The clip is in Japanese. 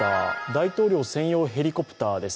大統領専用ヘリコプターです。